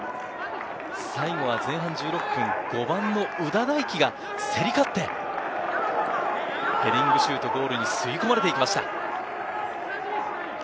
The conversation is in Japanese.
最後は前半１６分、５番の夘田大揮が競り勝って、ヘディングシュート、ゴールに吸い込まれていきました。